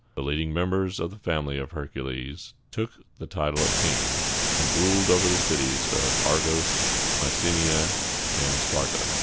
The leading members of the family of Hercules took the title of kings, and ruled over the cities of Argos, Mycenæ, and Spar´ta.